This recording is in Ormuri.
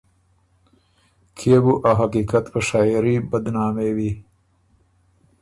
کيې بُو ا حقیقت په شاعېري بدنامېوی